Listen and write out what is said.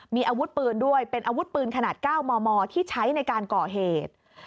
มีอาวุธปืนด้วยเป็นอาวุธปืนขนาด๙มมที่ใช้ในการก่อเหตุ